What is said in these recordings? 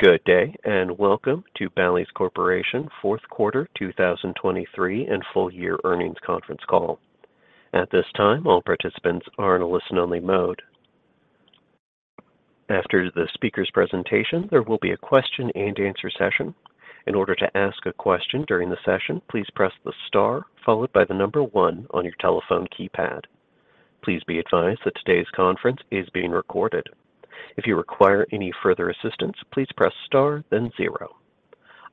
Good day and welcome to Bally's Corporation Fourth Quarter 2023 and Full Year Earnings Conference Call. At this time, all participants are in a listen-only mode. After the speaker's presentation, there will be a question and answer session. In order to ask a question during the session, please press the star followed by the number 1 on your telephone keypad. Please be advised that today's conference is being recorded. If you require any further assistance, please press star then 0.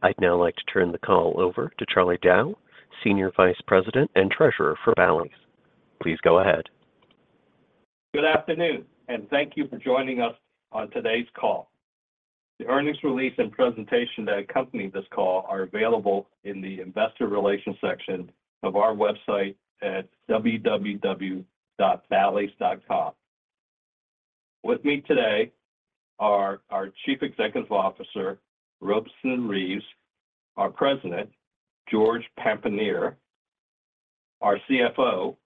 I'd now like to turn the call over to Charles Diao, Senior Vice President and Treasurer for Bally's. Please go ahead. Good afternoon and thank you for joining us on today's call. The earnings release and presentation that accompany this call are available in the Investor Relations section of our website at www.ballys.com. With me today are our Chief Executive Officer, Robeson Reeves; our President, George Papanier; our CFO,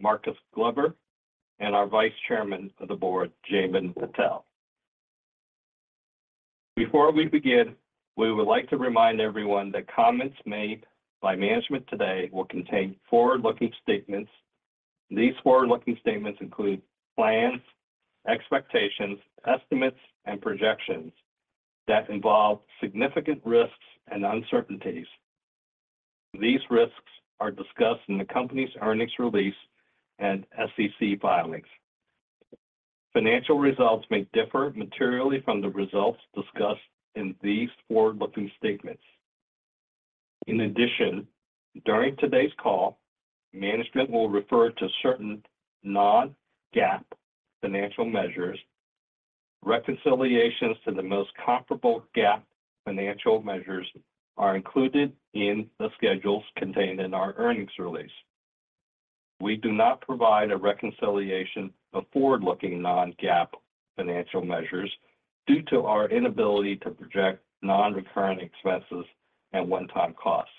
Marcus Glover; and our Vice Chairman of the Board, Jaymin B. Patel. Before we begin, we would like to remind everyone that comments made by management today will contain forward-looking statements. These forward-looking statements include plans, expectations, estimates, and projections that involve significant risks and uncertainties. These risks are discussed in the company's earnings release and SEC filings. Financial results may differ materially from the results discussed in these forward-looking statements. In addition, during today's call, management will refer to certain non-GAAP financial measures. Reconciliations to the most comparable GAAP financial measures are included in the schedules contained in our earnings release. We do not provide a reconciliation of forward-looking non-GAAP financial measures due to our inability to project non-recurring expenses and one-time costs.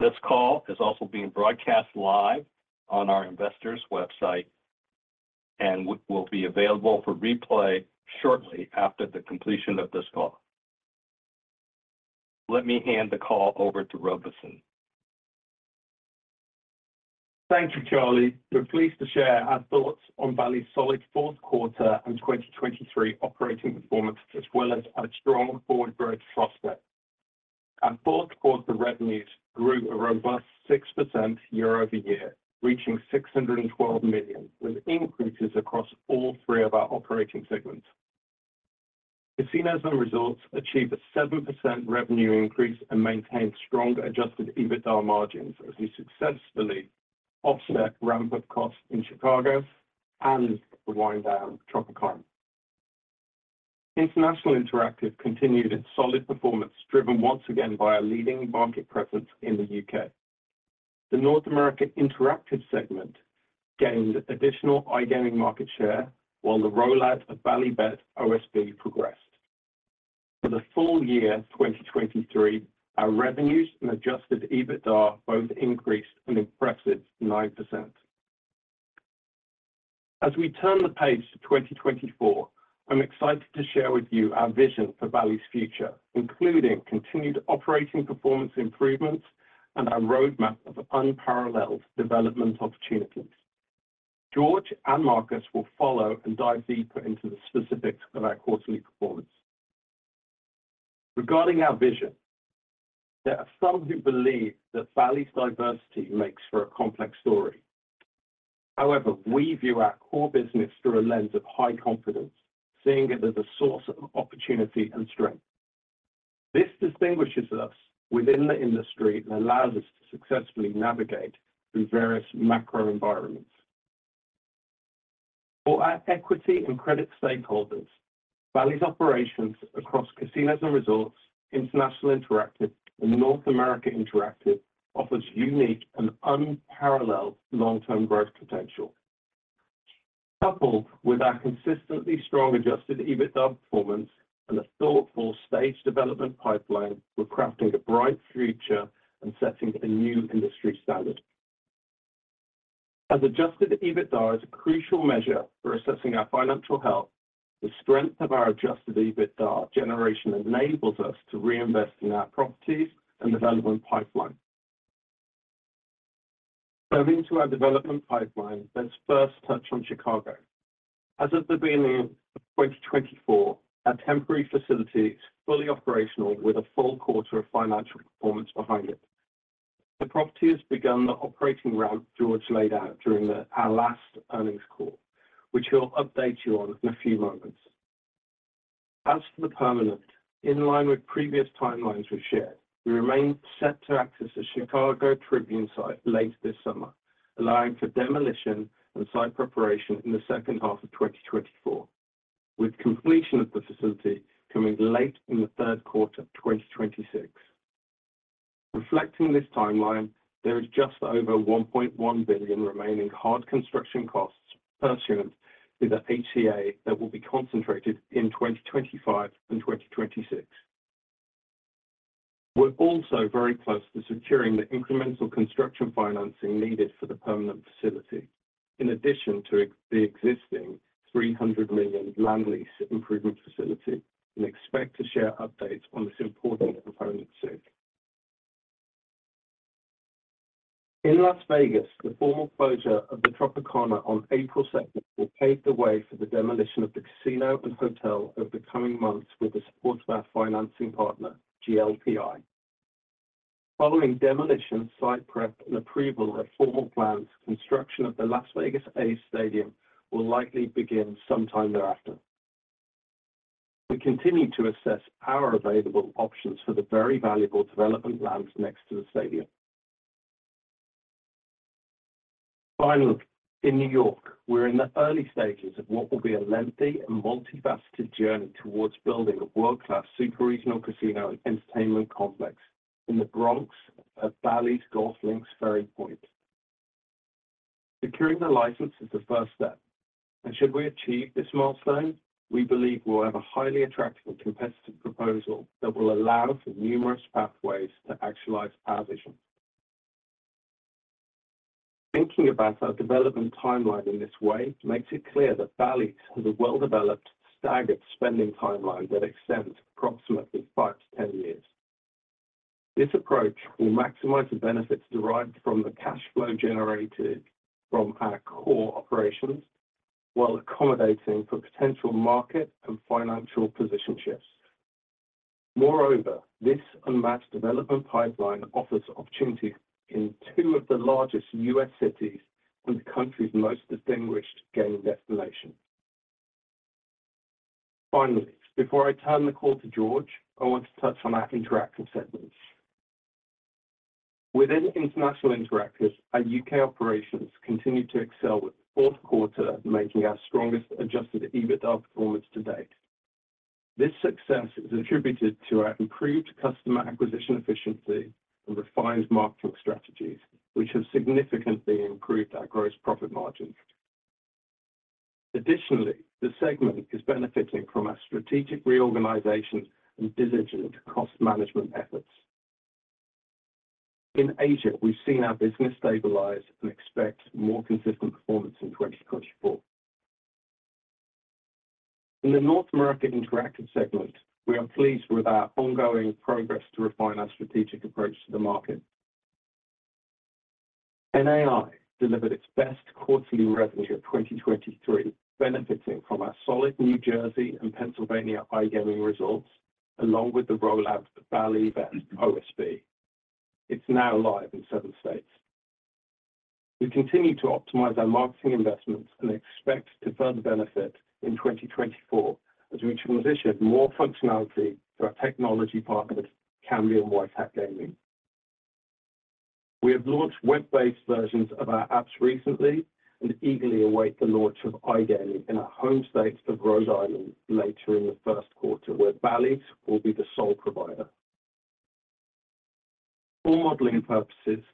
This call is also being broadcast live on our investors' website and will be available for replay shortly after the completion of this call. Let me hand the call over to Robeson. Thank you, Charlie. We're pleased to share our thoughts on Bally's solid fourth quarter and 2023 operating performance as well as our strong forward growth prospects. Our fourth quarter revenues grew a robust 6% year-over-year, reaching $612 million, with increases across all three of our operating segments. Casinos and Resorts achieved a 7% revenue increase and maintained strong Adjusted EBITDA margins as we successfully offset ramp-up costs in Chicago and the wind-down of Tropicana. International Interactive continued its solid performance, driven once again by our leading market presence in the U.K. The North America Interactive segment gained additional iGaming market share while the rollout of Bally Bet OSB progressed. For the full year 2023, our revenues and Adjusted EBITDA both increased an impressive 9%. As we turn the page to 2024, I'm excited to share with you our vision for Bally's future, including continued operating performance improvements and our roadmap of unparalleled development opportunities. George and Marcus will follow and dive deeper into the specifics of our quarterly performance. Regarding our vision, there are some who believe that Bally's diversity makes for a complex story. However, we view our core business through a lens of high confidence, seeing it as a source of opportunity and strength. This distinguishes us within the industry and allows us to successfully navigate through various macro environments. For our equity and credit stakeholders, Bally's operations across Casinos and Resorts, International Interactive, and North America Interactive offers unique and unparalleled long-term growth potential. Coupled with our consistently strong Adjusted EBITDA performance and a thoughtful stage development pipeline, we're crafting a bright future and setting a new industry standard. As Adjusted EBITDA is a crucial measure for assessing our financial health, the strength of our Adjusted EBITDA generation enables us to reinvest in our properties and development pipeline. Moving to our development pipeline, let's first touch on Chicago. As of the beginning of 2024, our temporary facility is fully operational with a full quarter of financial performance behind it. The property has begun the operating ramp George laid out during our last earnings call, which he'll update you on in a few moments. As for the permanent, in line with previous timelines we've shared, we remain set to access the Chicago Tribune site late this summer, allowing for demolition and site preparation in the second half of 2024, with completion of the facility coming late in the third quarter of 2026. Reflecting this timeline, there is just over $1.1 billion remaining hard construction costs pursuant to the HCA that will be concentrated in 2025 and 2026. We're also very close to securing the incremental construction financing needed for the permanent facility, in addition to the existing $300 million land lease improvement facility, and expect to share updates on this important component soon. In Las Vegas, the formal closure of the Tropicana on April 2nd will pave the way for the demolition of the casino and hotel over the coming months with the support of our financing partner, GLPI. Following demolition, site prep, and approval of formal plans, construction of the Las Vegas A's Stadium will likely begin sometime thereafter. We continue to assess our available options for the very valuable development lands next to the stadium. Finally, in New York, we're in the early stages of what will be a lengthy and multifaceted journey towards building a world-class superior regional casino and entertainment complex in the Bronx at Bally's Golf Links at Ferry Point. Securing the license is the first step, and should we achieve this milestone, we believe we'll have a highly attractive and competitive proposal that will allow for numerous pathways to actualize our vision. Thinking about our development timeline in this way makes it clear that Bally's has a well-developed, staggered spending timeline that extends approximately 5-10 years. This approach will maximize the benefits derived from the cash flow generated from our core operations while accommodating for potential market and financial position shifts. Moreover, this unmatched development pipeline offers opportunities in two of the largest U.S. cities and the country's most distinguished gaming destinations. Finally, before I turn the call to George, I want to touch on our interactive segments. Within International Interactive, our U.K. operations continue to excel with the fourth quarter making our strongest Adjusted EBITDA performance to date. This success is attributed to our improved customer acquisition efficiency and refined marketing strategies, which have significantly improved our gross profit margins. Additionally, the segment is benefiting from our strategic reorganization and diligent cost management efforts. In Asia, we've seen our business stabilize and expect more consistent performance in 2024. In the North America Interactive segment, we are pleased with our ongoing progress to refine our strategic approach to the market. NAI delivered its best quarterly revenue of 2023, benefiting from our solid New Jersey and Pennsylvania iGaming results, along with the rollout of BallyBet OSB. It's now live in seven states. We continue to optimize our marketing investments and expect to further benefit in 2024 as we transition more functionality to our technology partners, Kambi and White Hat Gaming. We have launched web-based versions of our apps recently and eagerly await the launch of iGaming in our home state of Rhode Island later in the first quarter, where Bally's will be the sole provider. For modelling purposes,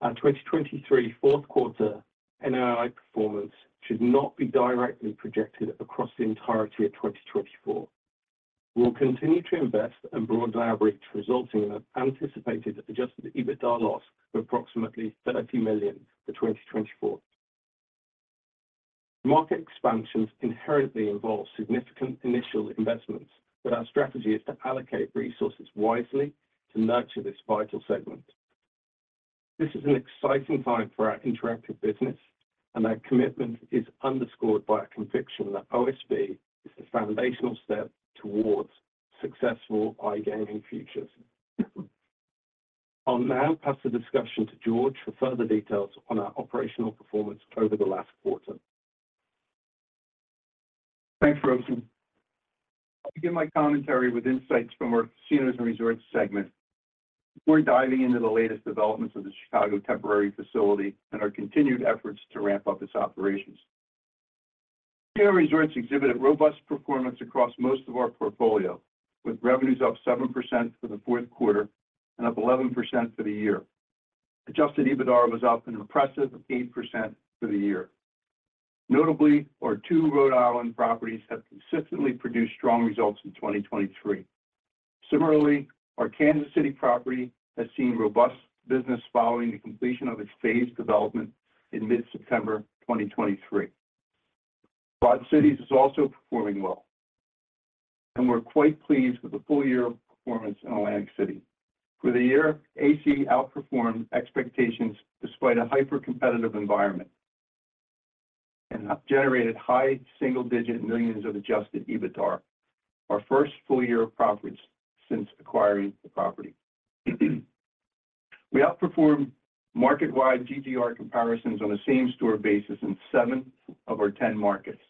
our 2023 fourth quarter NAI performance should not be directly projected across the entirety of 2024. We'll continue to invest and broaden our reach, resulting in an anticipated Adjusted EBITDA loss of approximately $30 million for 2024. Market expansions inherently involve significant initial investments, but our strategy is to allocate resources wisely to nurture this vital segment. This is an exciting time for our interactive business, and our commitment is underscored by a conviction that OSB is the foundational step towards successful iGaming futures. I'll now pass the discussion to George for further details on our operational performance over the last quarter. Thanks, Robeson. I'll begin my commentary with insights from our Casinos and Resorts segment. We're diving into the latest developments of the Chicago temporary facility and our continued efforts to ramp up its operations. Casinos and Resorts exhibit a robust performance across most of our portfolio, with revenues up 7% for the fourth quarter and up 11% for the year. Adjusted EBITDA was up an impressive 8% for the year. Notably, our two Rhode Island properties have consistently produced strong results in 2023. Similarly, our Kansas City property has seen robust business following the completion of its phased development in mid-September 2023. Quad Cities is also performing well, and we're quite pleased with the full-year performance in Atlantic City. For the year, AC outperformed expectations despite a hyper-competitive environment and generated high single-digit millions of Adjusted EBITDA, our first full-year profits since acquiring the property. We outperformed market-wide GGR comparisons on a same-store basis in seven of our 10 markets,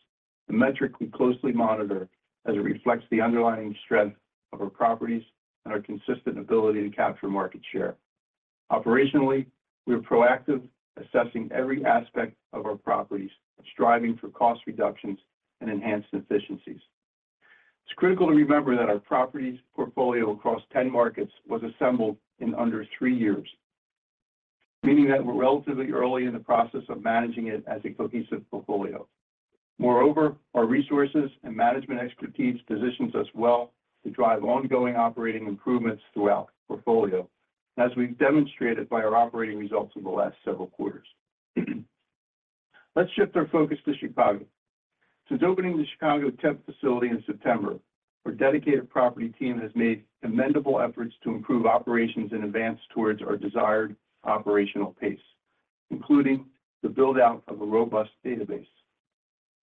a metric we closely monitor as it reflects the underlying strength of our properties and our consistent ability to capture market share. Operationally, we are proactive, assessing every aspect of our properties and striving for cost reductions and enhanced efficiencies. It's critical to remember that our properties portfolio across 10 markets was assembled in under three years, meaning that we're relatively early in the process of managing it as a cohesive portfolio. Moreover, our resources and management expertise positions us well to drive ongoing operating improvements throughout the portfolio, as we've demonstrated by our operating results over the last several quarters. Let's shift our focus to Chicago. Since opening the Chicago temporary facility in September, our dedicated property team has made commendable efforts to improve operations and advance towards our desired operational pace, including the build-out of a robust database.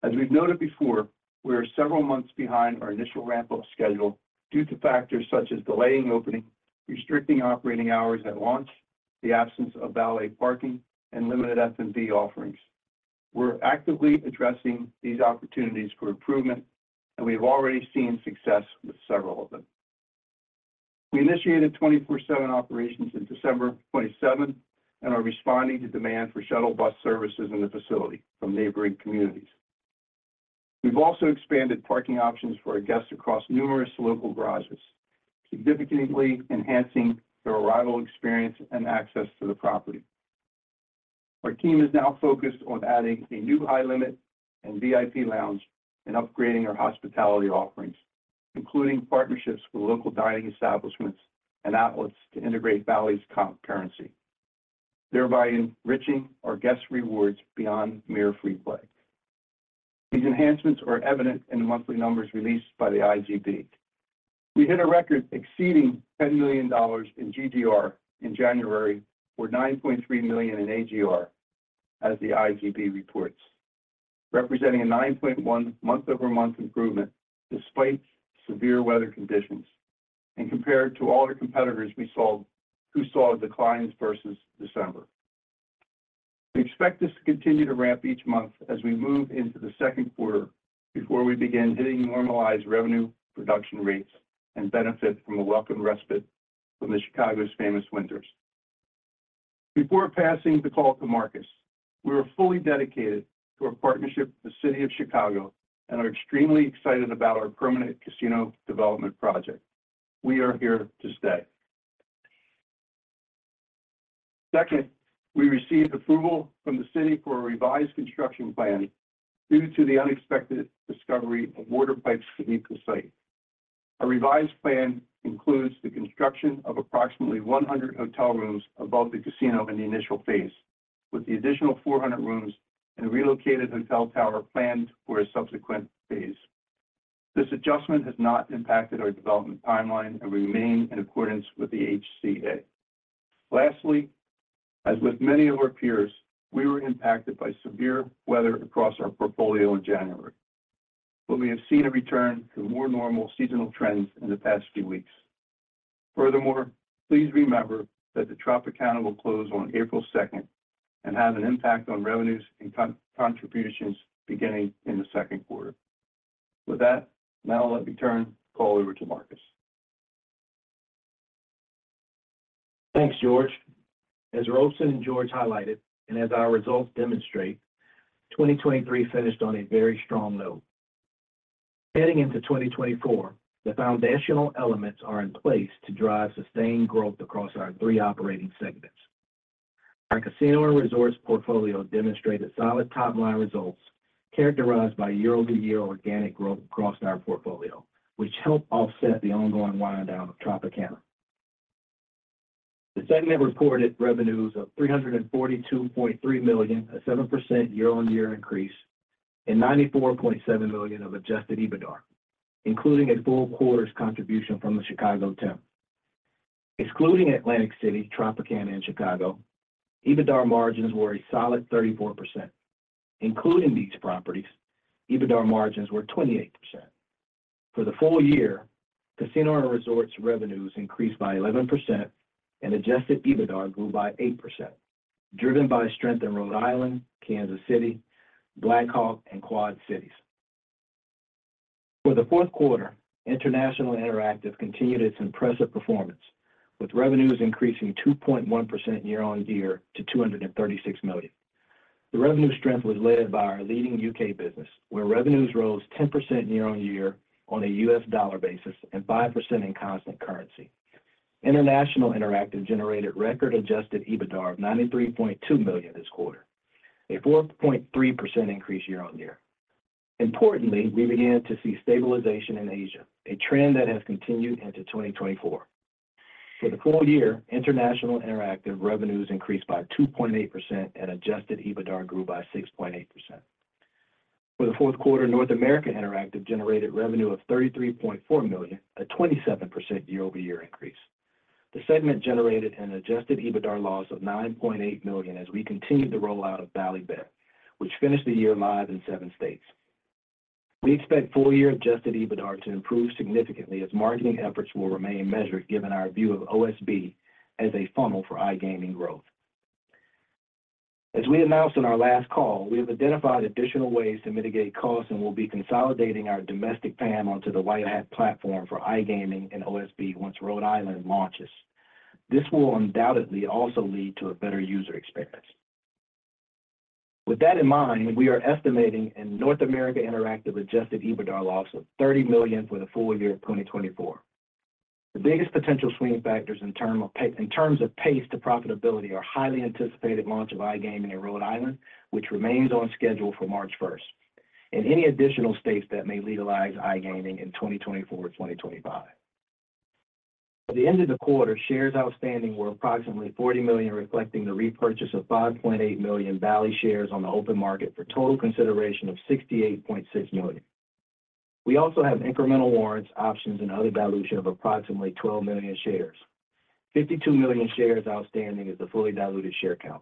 As we've noted before, we are several months behind our initial ramp-up schedule due to factors such as delayed opening, restricting operating hours at launch, the absence of valet parking, and limited F&B offerings. We're actively addressing these opportunities for improvement, and we have already seen success with several of them. We initiated 24/7 operations in December 2023 and are responding to demand for shuttle bus services to the facility from neighboring communities. We've also expanded parking options for our guests across numerous local garages, significantly enhancing their arrival experience and access to the property. Our team is now focused on adding a new high-limit and VIP lounge and upgrading our hospitality offerings, including partnerships with local dining establishments and outlets to integrate Bally's concurrency, thereby enriching our guest rewards beyond mere free play. These enhancements are evident in the monthly numbers released by the IGB. We hit a record exceeding $10 million in GGR in January for $9.3 million in AGR, as the IGB reports, representing a 9.1% month-over-month improvement despite severe weather conditions and compared to all our competitors who saw declines versus December. We expect this to continue to ramp each month as we move into the second quarter before we begin hitting normalized revenue production rates and benefit from a welcome respite from Chicago's famous winters. Before passing the call to Marcus, we are fully dedicated to our partnership with the City of Chicago and are extremely excited about our permanent casino development project. We are here to stay. Second, we received approval from the city for a revised construction plan due to the unexpected discovery of water pipes beneath the site. Our revised plan includes the construction of approximately 100 hotel rooms above the casino in the initial phase, with the additional 400 rooms and a relocated hotel tower planned for a subsequent phase. This adjustment has not impacted our development timeline, and we remain in accordance with the HCA. Lastly, as with many of our peers, we were impacted by severe weather across our portfolio in January, but we have seen a return to more normal seasonal trends in the past few weeks. Furthermore, please remember that the Tropicana will close on April 2nd and have an impact on revenues and contributions beginning in the second quarter. With that, now let me turn the call over to Marcus. Thanks, George. As Robeson and George highlighted and as our results demonstrate, 2023 finished on a very strong note. Heading into 2024, the foundational elements are in place to drive sustained growth across our three operating segments. Our casino and resorts portfolio demonstrated solid top-line results characterized by year-over-year organic growth across our portfolio, which helped offset the ongoing wind-down of Tropicana. The segment reported revenues of $342.3 million, a 7% year-over-year increase, and $94.7 million of Adjusted EBITDA, including a full quarter's contribution from the Chicago temp. Excluding Atlantic City, Tropicana, and Chicago, EBITDA margins were a solid 34%. Including these properties, EBITDA margins were 28%. For the full year, casino and resorts revenues increased by 11%, and Adjusted EBITDA grew by 8%, driven by strength in Rhode Island, Kansas City, Black Hawk, and Quad Cities. For the fourth quarter, International Interactive continued its impressive performance, with revenues increasing 2.1% year-over-year to $236 million. The revenue strength was led by our leading U.K. business, where revenues rose 10% year-over-year on a U.S. dollar basis and 5% in constant currency. International Interactive generated record Adjusted EBITDA of $93.2 million this quarter, a 4.3% increase year-over-year. Importantly, we began to see stabilization in Asia, a trend that has continued into 2024. For the full year, International Interactive revenues increased by 2.8%, and Adjusted EBITDA grew by 6.8%. For the fourth quarter, North America Interactive generated revenue of $33.4 million, a 27% year-over-year increase. The segment generated an Adjusted EBITDA loss of $9.8 million as we continued the rollout of BallyBet, which finished the year live in seven states. We expect full-year Adjusted EBITDA to improve significantly as marketing efforts will remain measured, given our view of OSB as a funnel for iGaming growth. As we announced in our last call, we have identified additional ways to mitigate costs and will be consolidating our domestic PAM onto the White Hat platform for iGaming and OSB once Rhode Island launches. This will undoubtedly also lead to a better user experience. With that in mind, we are estimating a North America Interactive Adjusted EBITDA loss of $30 million for the full year of 2024. The biggest potential swing factors in terms of pace to profitability are highly anticipated launch of iGaming in Rhode Island, which remains on schedule for March 1st, and any additional states that may legalize iGaming in 2024 or 2025. At the end of the quarter, shares outstanding were approximately 40 million, reflecting the repurchase of 5.8 million Bally shares on the open market for total consideration of $68.6 million. We also have incremental warrants options and other dilution of approximately 12 million shares. 52 million shares outstanding is the fully diluted share count.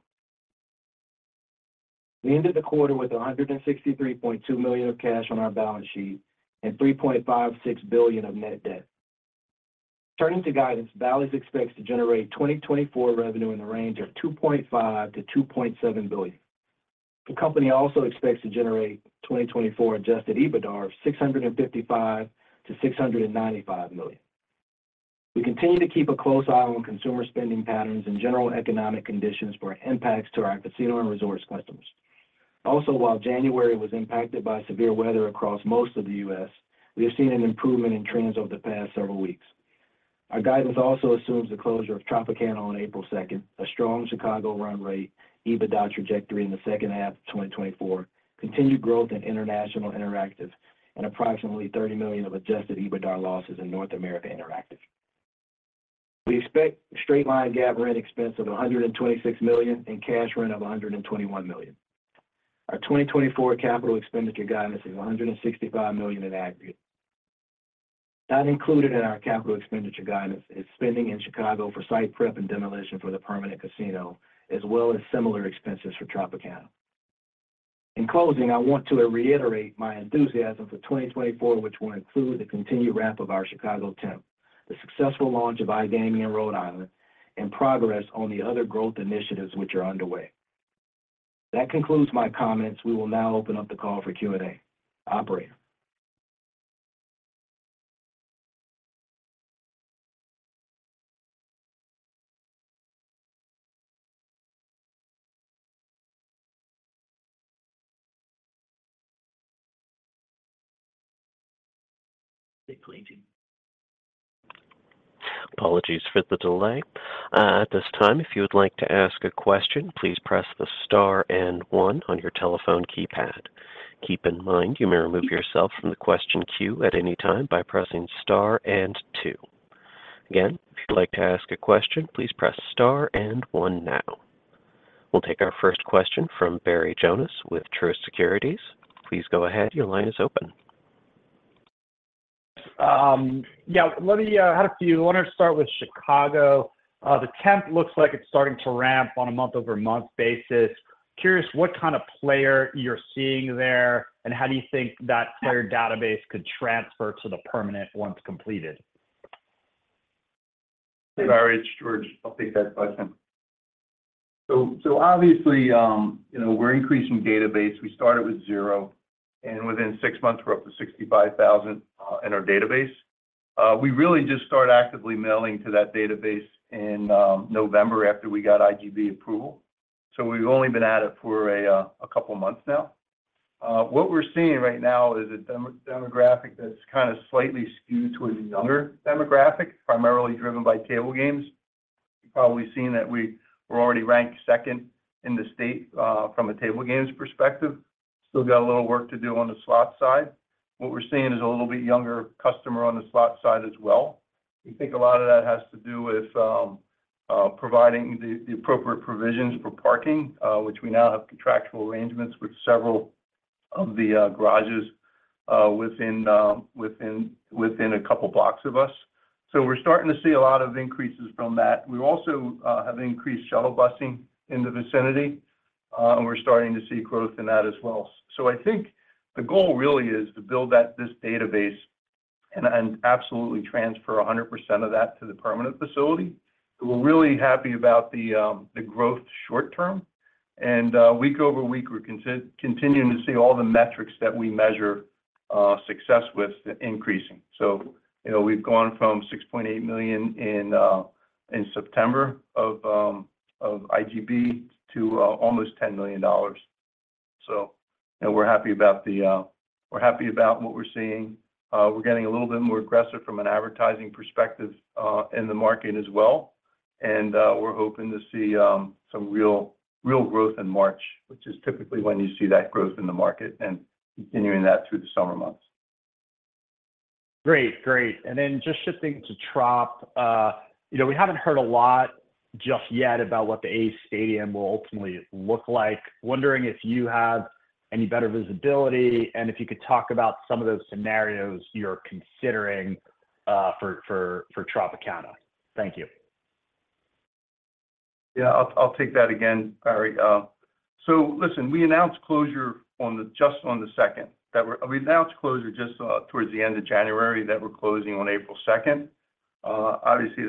We ended the quarter with $163.2 million of cash on our balance sheet and $3.56 billion of net debt. Turning to guidance, Bally's expects to generate 2024 revenue in the range of $2.5-$2.7 billion. The company also expects to generate 2024 Adjusted EBITDA of $655-$695 million. We continue to keep a close eye on consumer spending patterns and general economic conditions for impacts to our casino and resorts customers. Also, while January was impacted by severe weather across most of the U.S., we have seen an improvement in trends over the past several weeks. Our guidance also assumes the closure of Tropicana on April 2nd, a strong Chicago run rate, EBITDA trajectory in the second half of 2024, continued growth in International Interactive, and approximately $30 million of Adjusted EBITDA losses in North America Interactive. We expect straight-line gap rent expense of $126 million and cash rent of $121 million. Our 2024 capital expenditure guidance is $165 million in aggregate. Not included in our capital expenditure guidance is spending in Chicago for site prep and demolition for the permanent casino, as well as similar expenses for Tropicana. In closing, I want to reiterate my enthusiasm for 2024, which will include the continued ramp of our Chicago temp, the successful launch of iGaming in Rhode Island, and progress on the other growth initiatives which are underway. That concludes my comments. We will now open up the call for Q&A. Operator. Apologies for the delay. At this time, if you would like to ask a question, please press the star and one on your telephone keypad. Keep in mind, you may remove yourself from the question queue at any time by pressing star and two. Again, if you'd like to ask a question, please press star and one now. We'll take our first question from Barry Jonas with Truist Securities. Please go ahead. Your line is open. Yeah. Let me add a few. I want to start with Chicago. The 10th looks like it's starting to ramp on a month-over-month basis. Curious what kind of player you're seeing there, and how do you think that player database could transfer to the permanent once completed? Thanks, Barry. It's George. I'll take that question. So obviously, we're increasing database. We started with 0, and within 6 months, we're up to 65,000 in our database. We really just started actively mailing to that database in November after we got IGB approval. So we've only been at it for a couple of months now. What we're seeing right now is a demographic that's kind of slightly skewed towards a younger demographic, primarily driven by table games. You've probably seen that we're already ranked second in the state from a table games perspective. Still got a little work to do on the slot side. What we're seeing is a little bit younger customer on the slot side as well. We think a lot of that has to do with providing the appropriate provisions for parking, which we now have contractual arrangements with several of the garages within a couple of blocks of us. So we're starting to see a lot of increases from that. We also have increased shuttle busing in the vicinity, and we're starting to see growth in that as well. So I think the goal really is to build this database and absolutely transfer 100% of that to the permanent facility. We're really happy about the growth short term. And week over week, we're continuing to see all the metrics that we measure success with increasing. So we've gone from $6.8 million in September of IGB to almost $10 million. So we're happy about what we're seeing. We're getting a little bit more aggressive from an advertising perspective in the market as well. We're hoping to see some real growth in March, which is typically when you see that growth in the market, and continuing that through the summer months. Great. Great. Then just shifting to Trop, we haven't heard a lot just yet about what the A's Stadium will ultimately look like. Wondering if you have any better visibility and if you could talk about some of those scenarios you're considering for Tropicana? Thank you. Yeah. I'll take that again, Barry. So listen, we announced closure just on the 2nd. We announced closure just towards the end of January that we're closing on April 2nd. Obviously,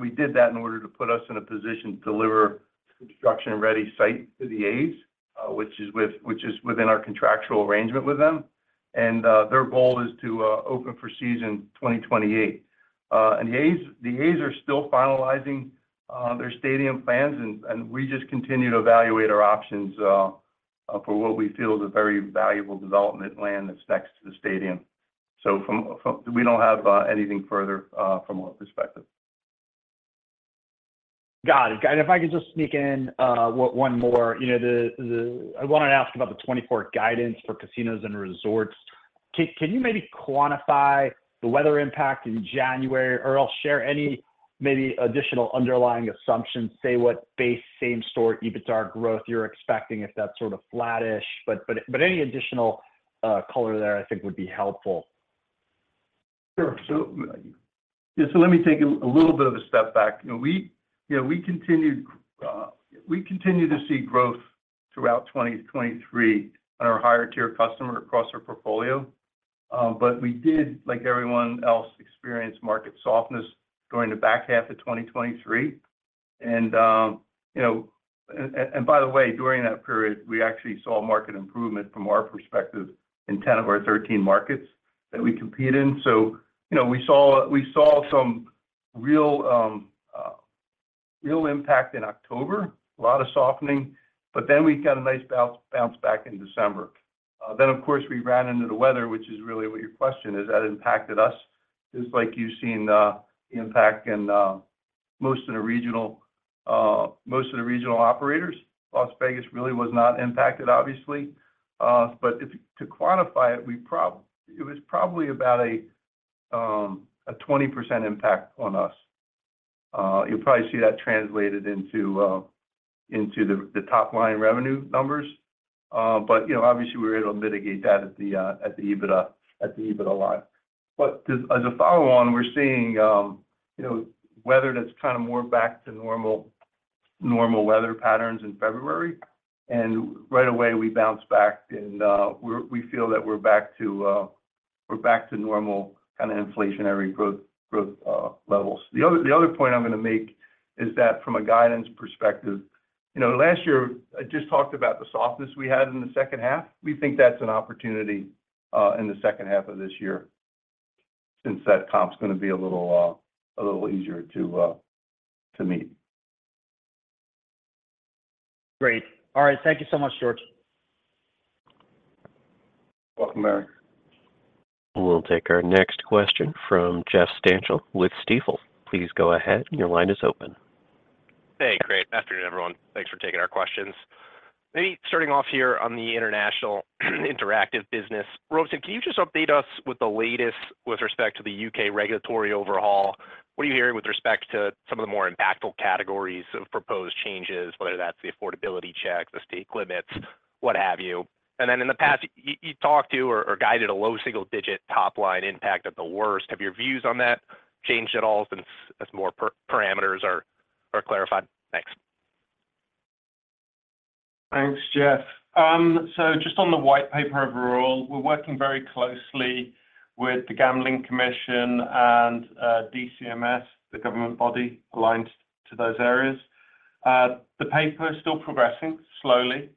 we did that in order to put us in a position to deliver construction-ready site to the A's, which is within our contractual arrangement with them. And their goal is to open for season 2028. And the A's are still finalizing their stadium plans, and we just continue to evaluate our options for what we feel is a very valuable development land that's next to the stadium. So we don't have anything further from our perspective. Got it. Got it. If I could just sneak in one more, I wanted to ask about the 2024 guidance for casinos and resorts. Can you maybe quantify the weather impact in January, or I'll share any maybe additional underlying assumptions, say what base same-store EBITDA growth you're expecting if that's sort of flat-ish? But any additional color there, I think, would be helpful. Sure. So let me take a little bit of a step back. We continued to see growth throughout 2023 on our higher-tier customer across our portfolio. But we did, like everyone else, experience market softness during the back half of 2023. And by the way, during that period, we actually saw market improvement from our perspective in 10 of our 13 markets that we compete in. So we saw some real impact in October, a lot of softening, but then we got a nice bounce back in December. Then, of course, we ran into the weather, which is really what your question is, that impacted us, just like you've seen the impact in most of the regional operators. Las Vegas really was not impacted, obviously. But to quantify it, it was probably about a 20% impact on us. You'll probably see that translated into the top-line revenue numbers. But obviously, we were able to mitigate that at the EBITDA line. But as a follow-on, we're seeing weather that's kind of more back to normal weather patterns in February. And right away, we bounced back, and we feel that we're back to normal kind of inflationary growth levels. The other point I'm going to make is that from a guidance perspective, last year, I just talked about the softness we had in the second half. We think that's an opportunity in the second half of this year since that comp's going to be a little easier to meet. Great. All right. Thank you so much, George. Welcome, Barry. We'll take our next question from Jeff Stantial with Stifel. Please go ahead. Your line is open. Hey. Great afternoon, everyone. Thanks for taking our questions. Maybe starting off here on the International Interactive business, Robeson, can you just update us with the latest with respect to the U.K. regulatory overhaul? What are you hearing with respect to some of the more impactful categories of proposed changes, whether that's the affordability checks, the stake limits, what have you? And then in the past, you talked to or guided a low single-digit top-line impact at the worst. Have your views on that changed at all since more parameters are clarified? Thanks. Thanks, Jeff. So just on the White Paper overall, we're working very closely with the Gambling Commission and DCMS, the government body aligned to those areas. The paper is still progressing slowly.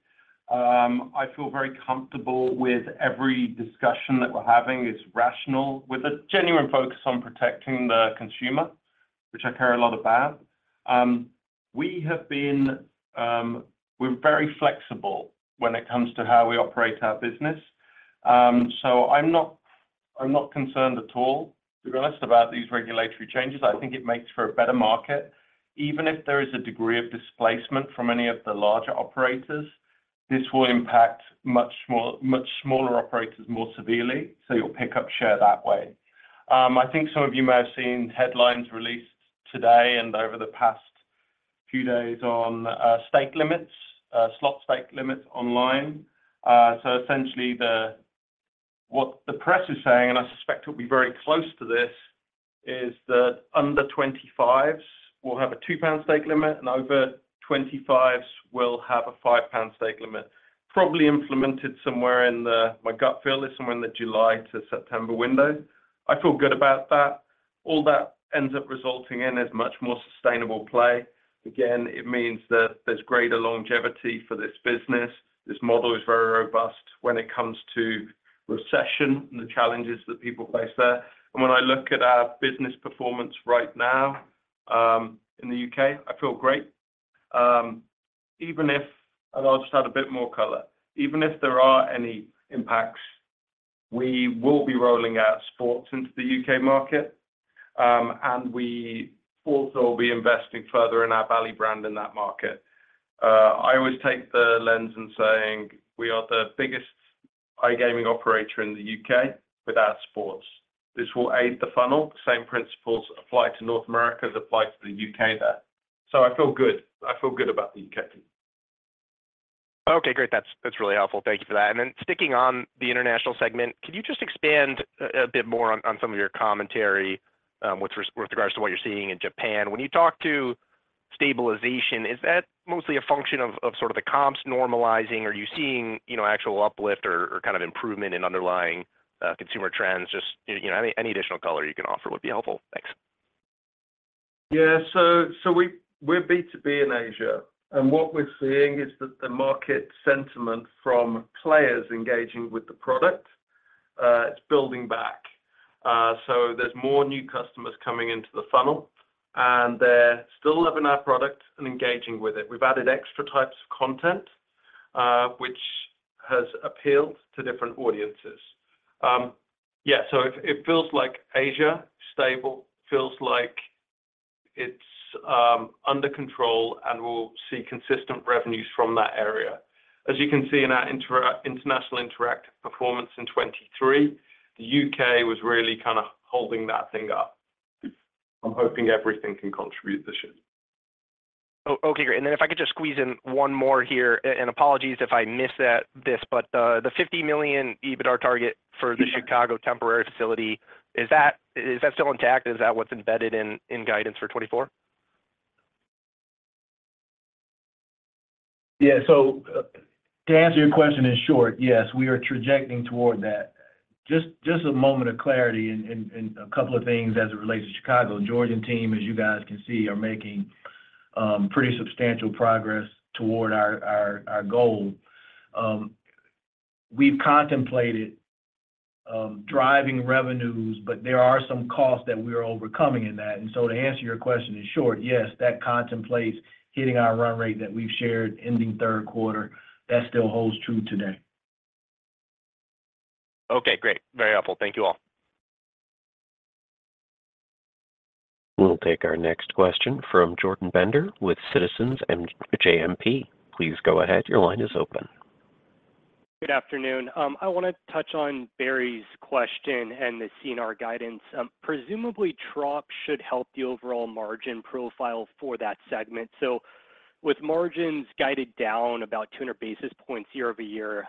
I feel very comfortable with every discussion that we're having is rational, with a genuine focus on protecting the consumer, which I care a lot about. We're very flexible when it comes to how we operate our business. So I'm not concerned at all, to be honest, about these regulatory changes. I think it makes for a better market. Even if there is a degree of displacement from any of the larger operators, this will impact much smaller operators more severely. So you'll pick up share that way. I think some of you may have seen headlines released today and over the past few days on slot stake limits online. So essentially, what the press is saying, and I suspect it'll be very close to this, is that under 25s will have a 2 pound stake limit, and over 25s will have a 5 pound stake limit, probably implemented somewhere in the, my gut feel is somewhere in the July to September window. I feel good about that. All that ends up resulting in is much more sustainable play. Again, it means that there's greater longevity for this business. This model is very robust when it comes to recession and the challenges that people face there. And when I look at our business performance right now in the U.K., I feel great. And I'll just add a bit more color. Even if there are any impacts, we will be rolling out sports into the U.K. market, and we also will be investing further in our Bally's brand in that market. I always take the lens of saying we are the biggest iGaming operator in the U.K. without sports. This will aid the funnel. The same principles apply to North America as apply to the U.K. there. So I feel good. I feel good about the U.K. team. Okay. Great. That's really helpful. Thank you for that. And then sticking on the International segment, could you just expand a bit more on some of your commentary with regards to what you're seeing in Japan? When you talk to stabilization, is that mostly a function of sort of the comps normalizing, or are you seeing actual uplift or kind of improvement in underlying consumer trends? Just any additional color you can offer would be helpful. Thanks. Yeah. So we're B2B in Asia. And what we're seeing is that the market sentiment from players engaging with the product, it's building back. So there's more new customers coming into the funnel, and they're still loving our product and engaging with it. We've added extra types of content, which has appealed to different audiences. Yeah. So it feels like Asia is stable, feels like it's under control, and we'll see consistent revenues from that area. As you can see in our International Interactive performance in 2023, the U.K. was really kind of holding that thing up. I'm hoping everything can contribute this year. Okay. Great. If I could just squeeze in one more here, and apologies if I missed this, but the $50 million EBITDA target for the Chicago temporary facility, is that still intact? Is that what's embedded in guidance for 2024? Yeah. So to answer your question in short, yes, we are trajecting toward that. Just a moment of clarity and a couple of things as it relates to Chicago. George and team, as you guys can see, are making pretty substantial progress toward our goal. We've contemplated driving revenues, but there are some costs that we are overcoming in that. And so to answer your question in short, yes, that contemplates hitting our run rate that we've shared ending third quarter. That still holds true today. Okay. Great. Very helpful. Thank you all. We'll take our next question from Jordan Bender with Citizens JMP. Please go ahead. Your line is open. Good afternoon. I want to touch on Barry's question and the CNR guidance. Presumably, Trop should help the overall margin profile for that segment. So with margins guided down about 200 basis points year-over-year,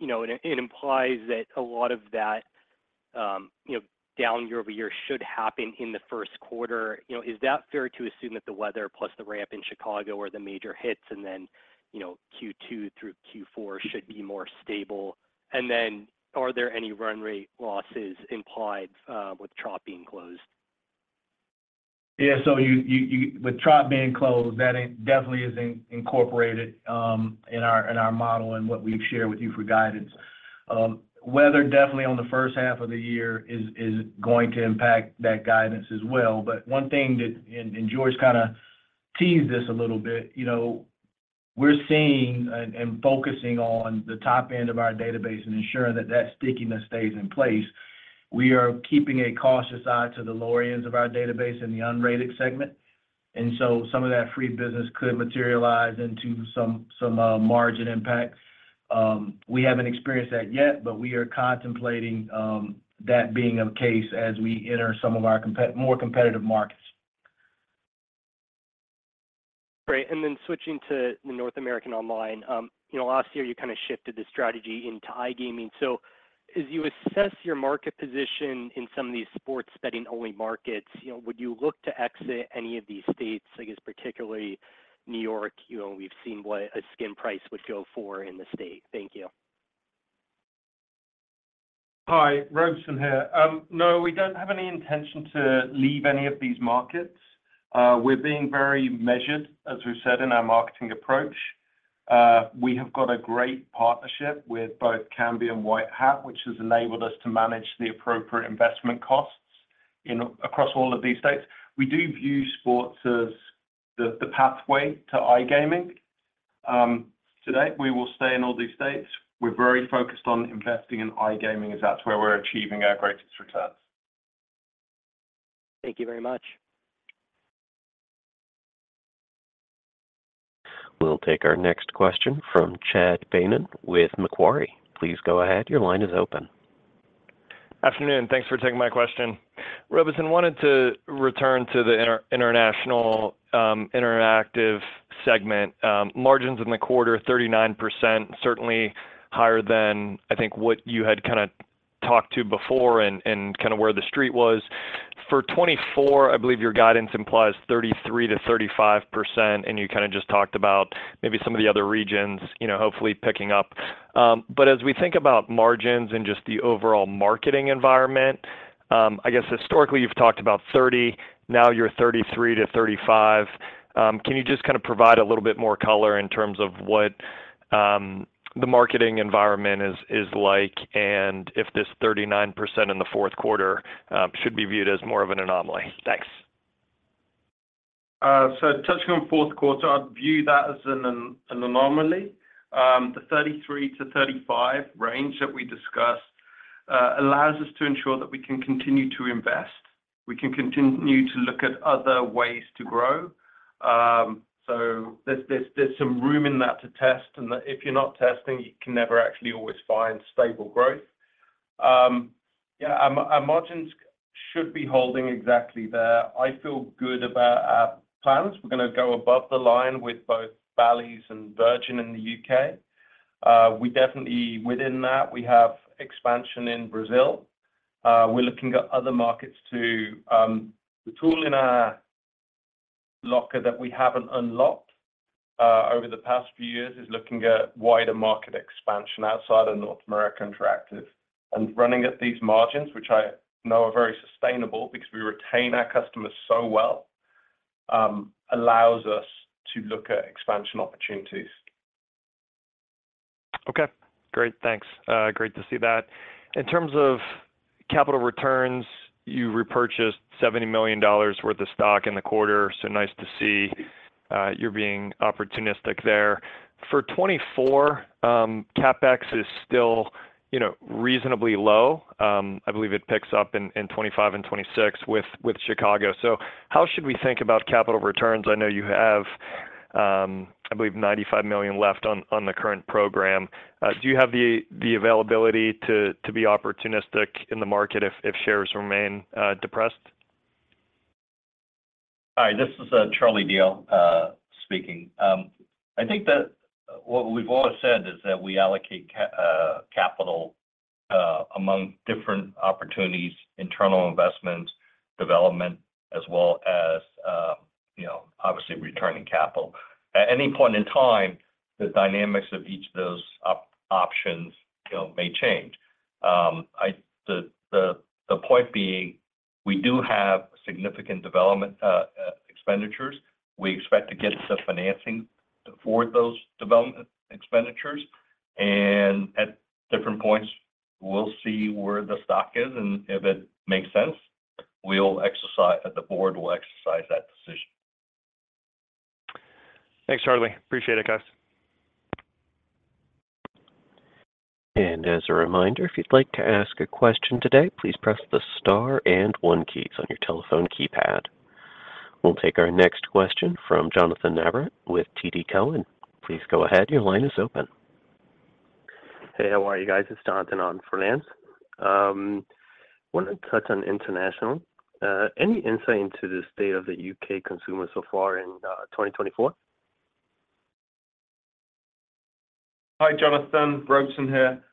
it implies that a lot of that down year-over-year should happen in the first quarter. Is that fair to assume that the weather plus the ramp in Chicago are the major hits, and then Q2 through Q4 should be more stable? And then are there any run rate losses implied with Trop being closed? Yeah. So with Trop being closed, that definitely isn't incorporated in our model and what we've shared with you for guidance. Weather definitely on the first half of the year is going to impact that guidance as well. But one thing that, and George kind of teased this a little bit. We're seeing and focusing on the top end of our database and ensuring that that stickiness stays in place. We are keeping a cautious eye to the lower ends of our database in the unrated segment. And so some of that free business could materialize into some margin impact. We haven't experienced that yet, but we are contemplating that being a case as we enter some of our more competitive markets. Great. And then switching to the North American online, last year, you kind of shifted the strategy into iGaming. So as you assess your market position in some of these sports-betting-only markets, would you look to exit any of these states, I guess, particularly New York? We've seen what a skin price would go for in the state. Thank you. Hi. Robeson here. No, we don't have any intention to leave any of these markets. We're being very measured, as we said, in our marketing approach. We have got a great partnership with both Kambi and White Hat, which has enabled us to manage the appropriate investment costs across all of these states. We do view sports as the pathway to iGaming. Today, we will stay in all these states. We're very focused on investing in iGaming as that's where we're achieving our greatest returns. Thank you very much. We'll take our next question from Chad Baynon with Macquarie. Please go ahead. Your line is open. Afternoon. Thanks for taking my question. Robeson, wanted to return to the International Interactive segment. Margins in the quarter, 39%, certainly higher than, I think, what you had kind of talked to before and kind of where the Street was. For 2024, I believe your guidance implies 33%-35%, and you kind of just talked about maybe some of the other regions, hopefully picking up. But as we think about margins and just the overall marketing environment, I guess historically, you've talked about 30%. Now, you're 33%-35%. Can you just kind of provide a little bit more color in terms of what the marketing environment is like and if this 39% in the fourth quarter should be viewed as more of an anomaly? Thanks. So touching on fourth quarter, I'd view that as an anomaly. The 33-35 range that we discussed allows us to ensure that we can continue to invest. We can continue to look at other ways to grow. So there's some room in that to test, and if you're not testing, you can never actually always find stable growth. Yeah. Our margins should be holding exactly there. I feel good about our plans. We're going to go above the line with both Bally's and Virgin in the U.K. Within that, we have expansion in Brazil. We're looking at other markets too. The tool in our locker that we haven't unlocked over the past few years is looking at wider market expansion outside of North America Interactive. Running at these margins, which I know are very sustainable because we retain our customers so well, allows us to look at expansion opportunities. Okay. Great. Thanks. Great to see that. In terms of capital returns, you repurchased $70 million worth of stock in the quarter. So nice to see you're being opportunistic there. For 2024, CapEx is still reasonably low. I believe it picks up in 2025 and 2026 with Chicago. So how should we think about capital returns? I know you have, I believe, $95 million left on the current program. Do you have the availability to be opportunistic in the market if shares remain depressed? Hi. This is Charles Diao speaking. I think that what we've always said is that we allocate capital among different opportunities, internal investments, development, as well as obviously returning capital. At any point in time, the dynamics of each of those options may change. The point being, we do have significant development expenditures. We expect to get the financing for those development expenditures. And at different points, we'll see where the stock is, and if it makes sense, the board will exercise that decision. Thanks, Charlie. Appreciate it, guys. As a reminder, if you'd like to ask a question today, please press the star and one keys on your telephone keypad. We'll take our next question from Jonnathan Navarrete with TD Cowen. Please go ahead. Your line is open. Hey. How are you guys? It's Jonnathan on Finance. I want to touch on international. Any insight into the state of the U.K. consumer so far in 2024? Hi, Jonnathan. Robeson here.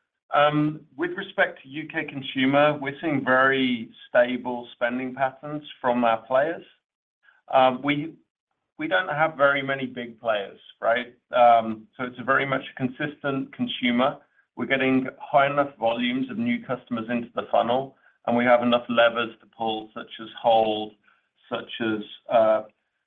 With respect to U.K. consumer, we're seeing very stable spending patterns from our players. We don't have very many big players, right? So it's very much a consistent consumer. We're getting high enough volumes of new customers into the funnel, and we have enough levers to pull such as hold, such as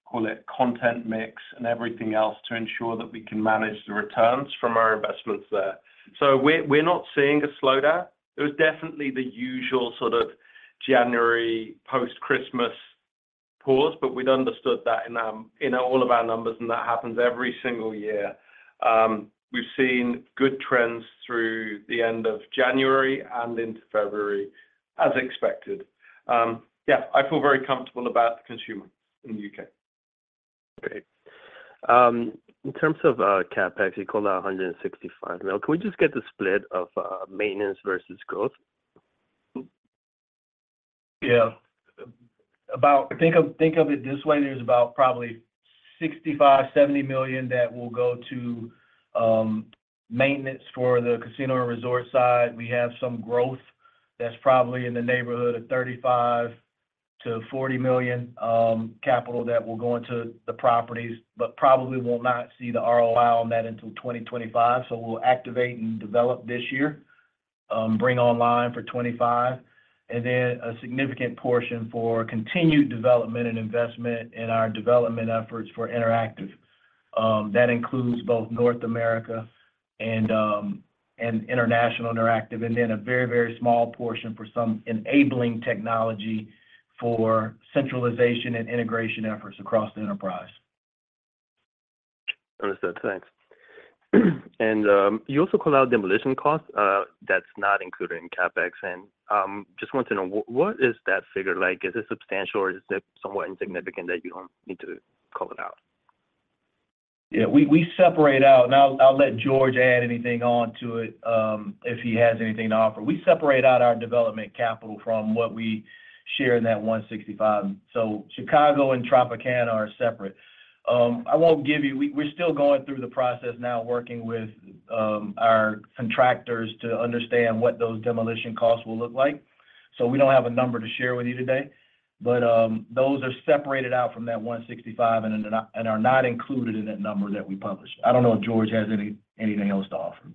call it content mix, and everything else to ensure that we can manage the returns from our investments there. So we're not seeing a slowdown. There was definitely the usual sort of January post-Christmas pause, but we'd understood that in all of our numbers, and that happens every single year. We've seen good trends through the end of January and into February as expected. Yeah. I feel very comfortable about the consumer in the U.K. Great. In terms of CapEx, you called out $165 million. Can we just get the split of maintenance versus growth? Yeah. Think of it this way. There's about probably $65-$70 million that will go to maintenance for the casino and resort side. We have some growth that's probably in the neighborhood of $35-$40 million capital that will go into the properties, but probably won't not see the ROI on that until 2025. So we'll activate and develop this year, bring online for 2025, and then a significant portion for continued development and investment in our development efforts for Interactive. That includes both North America and International Interactive, and then a very, very small portion for some enabling technology for centralization and integration efforts across the enterprise. Understood. Thanks. And you also called out demolition costs. That's not included in CapEx. And just want to know, what is that figure like? Is it substantial, or is it somewhat insignificant that you don't need to call it out? Yeah. We separate out and I'll let George add anything onto it if he has anything to offer. We separate out our development capital from what we share in that $165. So Chicago and Tropicana are separate. I won't give you. We're still going through the process now, working with our contractors to understand what those demolition costs will look like. So we don't have a number to share with you today, but those are separated out from that $165 and are not included in that number that we published. I don't know if George has anything else to offer.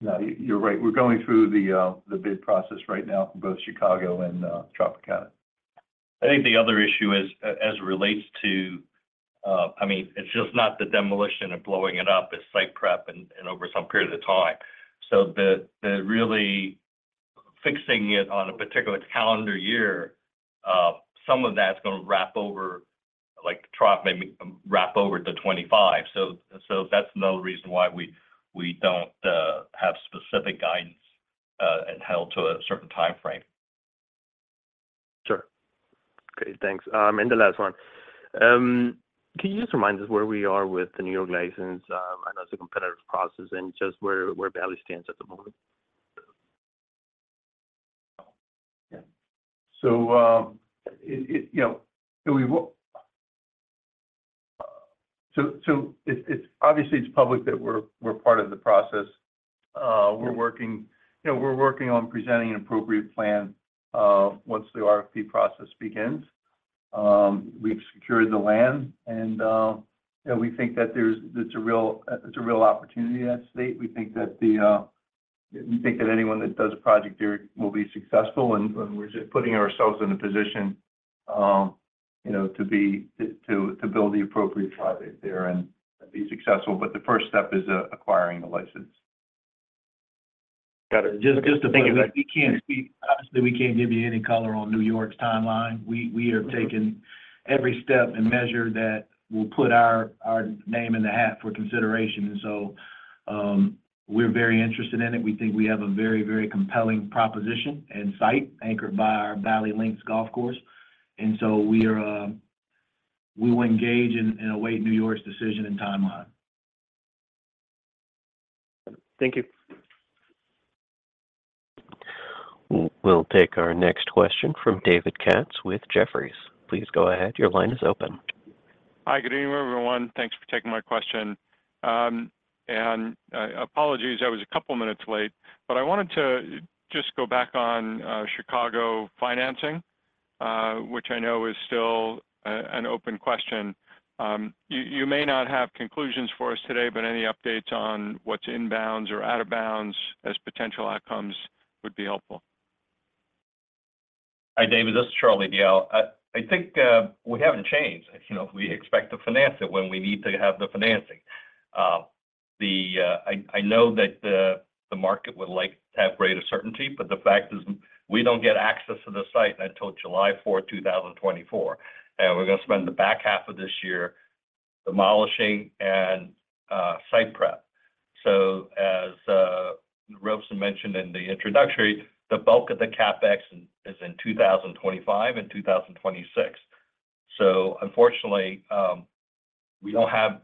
No. You're right. We're going through the bid process right now for both Chicago and Tropicana. I think the other issue is as it relates to, I mean, it's just not the demolition and blowing it up. It's site prep and over some period of time. So really fixing it on a particular calendar year, some of that's going to wrap over like Trop maybe wrap over the 2025. So that's another reason why we don't have specific guidance held to a certain timeframe. Sure. Great. Thanks. And the last one. Can you just remind us where we are with the New York license? I know it's a competitive process and just where Bally stands at the moment. Yeah. So obviously, it's public that we're part of the process. We're working on presenting an appropriate plan once the RFP process begins. We've secured the land, and we think that it's a real opportunity in that state. We think that anyone that does a project there will be successful, and we're just putting ourselves in a position to build the appropriate project there and be successful. But the first step is acquiring the license. Got it. Just a thing. Obviously, we can't give you any color on New York's timeline. We are taking every step and measure that will put our name in the hat for consideration. So we're very interested in it. We think we have a very, very compelling proposition and site anchored by our Bally's Golf Links golf course. So we will engage and await New York's decision and timeline. Thank you. We'll take our next question from David Katz with Jefferies. Please go ahead. Your line is open. Hi. Good evening, everyone. Thanks for taking my question. Apologies, I was a couple of minutes late, but I wanted to just go back on Chicago financing, which I know is still an open question. You may not have conclusions for us today, but any updates on what's inbounds or out of bounds as potential outcomes would be helpful. Hi, David. This is Charles Diao. I think we haven't changed. We expect to finance it when we need to have the financing. I know that the market would like to have greater certainty, but the fact is we don't get access to the site until July 4, 2024. We're going to spend the back half of this year demolishing and site prep. As Robeson mentioned in the introductory, the bulk of the CapEx is in 2025 and 2026. Unfortunately, we don't have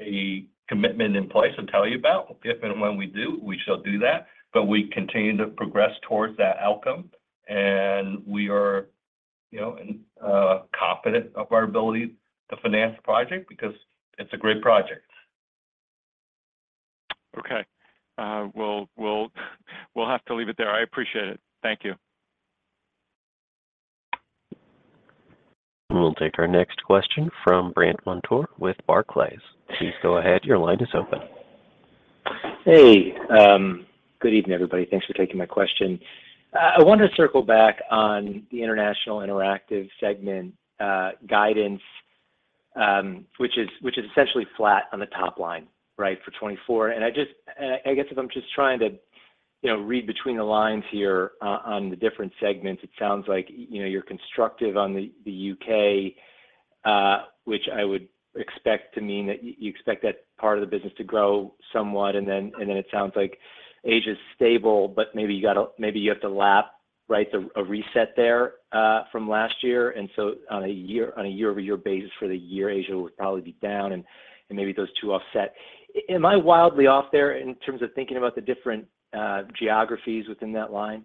a commitment in place to tell you about. If and when we do, we shall do that. We continue to progress towards that outcome, and we are confident of our ability to finance the project because it's a great project. Okay. We'll have to leave it there. I appreciate it. Thank you. We'll take our next question from Brant Montour with Barclays. Please go ahead. Your line is open. Hey. Good evening, everybody. Thanks for taking my question. I want to circle back on the International Interactive segment guidance, which is essentially flat on the top line, right, for 2024. And I guess if I'm just trying to read between the lines here on the different segments, it sounds like you're constructive on the U.K., which I would expect to mean that you expect that part of the business to grow somewhat. And then it sounds like Asia's stable, but maybe you have to lap, right, a reset there from last year. And so on a year-over-year basis for the year, Asia would probably be down, and maybe those two offset. Am I wildly off there in terms of thinking about the different geographies within that line?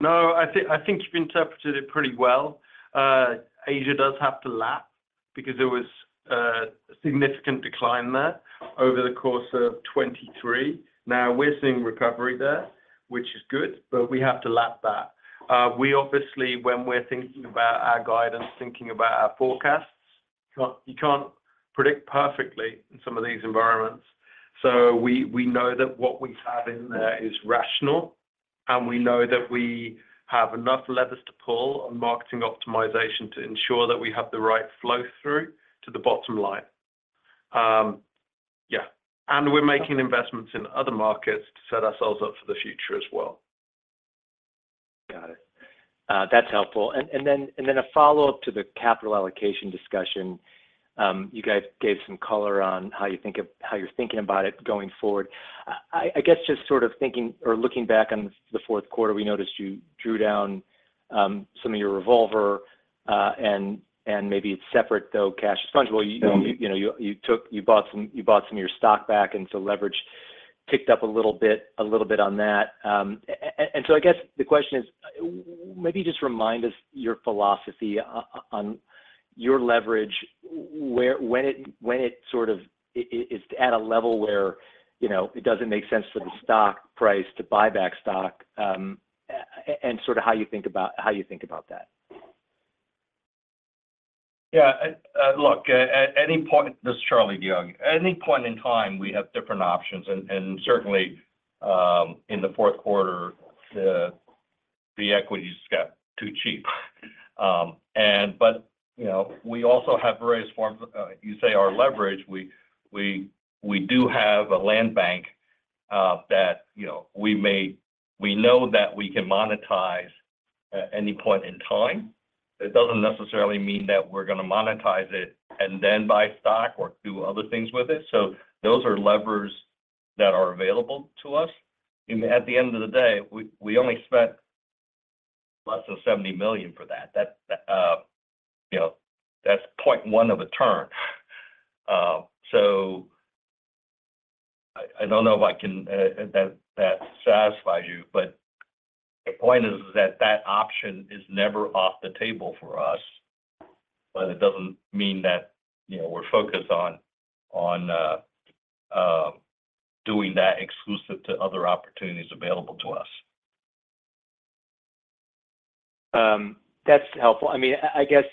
No. I think you've interpreted it pretty well. Asia does have to lap because there was a significant decline there over the course of 2023. Now, we're seeing recovery there, which is good, but we have to lap that. Obviously, when we're thinking about our guidance, thinking about our forecasts, you can't predict perfectly in some of these environments. So we know that what we have in there is rational, and we know that we have enough levers to pull on marketing optimization to ensure that we have the right flow-through to the bottom line. Yeah. And we're making investments in other markets to set ourselves up for the future as well. Got it. That's helpful. And then a follow-up to the capital allocation discussion, you guys gave some color on how you think about it going forward. I guess just sort of thinking or looking back on the fourth quarter, we noticed you drew down some of your revolver. And maybe it's separate, though, cash and spend. Well, you bought some of your stock back, and so leverage picked up a little bit on that. And so I guess the question is, maybe just remind us your philosophy on your leverage when it sort of is at a level where it doesn't make sense for the stock price to buy back stock and sort of how you think about how you think about that. Yeah. Look, this is Charles Diao. At any point in time, we have different options. And certainly, in the fourth quarter, the equity's got too cheap. But we also have various forms of you say our leverage. We do have a land bank that we know that we can monetize at any point in time. It doesn't necessarily mean that we're going to monetize it and then buy stock or do other things with it. So those are levers that are available to us. At the end of the day, we only spent less than $70 million for that. That's 0.1 of a turn. So I don't know if that satisfies you, but the point is that that option is never off the table for us, but it doesn't mean that we're focused on doing that exclusive to other opportunities available to us. That's helpful. I mean, I guess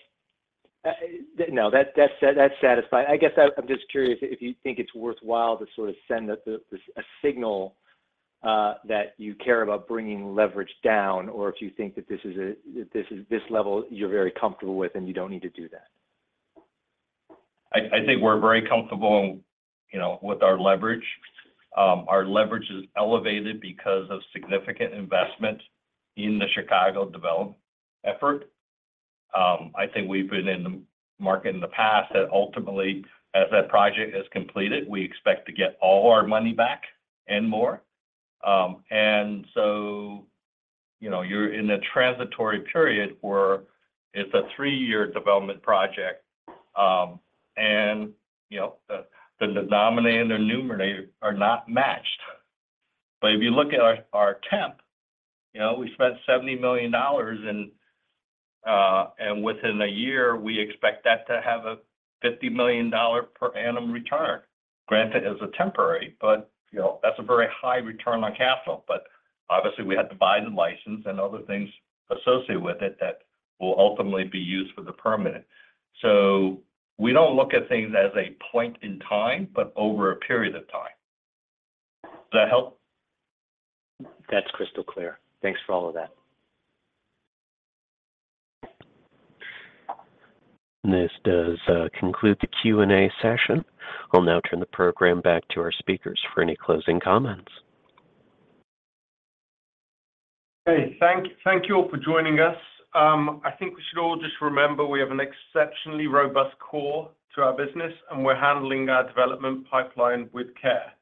no. That's satisfying. I guess I'm just curious if you think it's worthwhile to sort of send a signal that you care about bringing leverage down or if you think that this is a this level you're very comfortable with, and you don't need to do that? I think we're very comfortable with our leverage. Our leverage is elevated because of significant investment in the Chicago development effort. I think we've been in the market in the past that ultimately, as that project is completed, we expect to get all our money back and more. And so you're in a transitory period where it's a three-year development project, and the denominator and numerator are not matched. But if you look at our temp, we spent $70 million, and within a year, we expect that to have a $50 million per annum return. Granted, it's a temporary, but that's a very high return on capital. But obviously, we had to buy the license and other things associated with it that will ultimately be used for the permanent. So we don't look at things as a point in time, but over a period of time. Does that help? That's crystal clear. Thanks for all of that. This does conclude the Q&A session. I'll now turn the program back to our speakers for any closing comments. Hey. Thank you all for joining us. I think we should all just remember we have an exceptionally robust core to our business, and we're handling our development pipeline with care,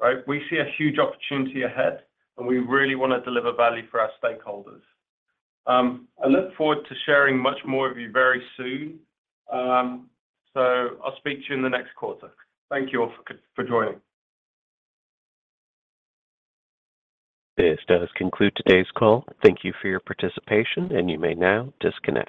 right? We see a huge opportunity ahead, and we really want to deliver value for our stakeholders. I look forward to sharing much more with you very soon. So I'll speak to you in the next quarter. Thank you all for joining. This does conclude today's call. Thank you for your participation, and you may now disconnect.